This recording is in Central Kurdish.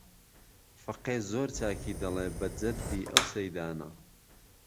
فەقێ زۆر چاکی دەڵێ بە جەددی ئەو سەیدانە